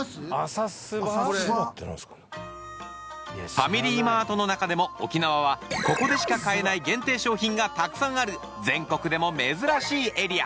ファミリーマートの中でも沖縄はここでしか買えない限定商品がたくさんある全国でも珍しいエリア。